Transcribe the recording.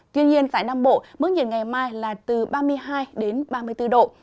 tuy nhiên tại nam bộ mức nhiệt ngày mai là từ ba mươi hai đến ba mươi bốn độ